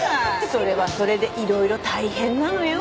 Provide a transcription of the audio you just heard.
それはそれでいろいろ大変なのよ。